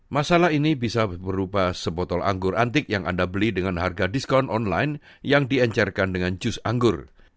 masalah ini bisa berupa sebotol anggur antik yang anda beli dengan harga diskon online yang diencerkan dengan jus anggur